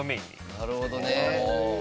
なるほどね。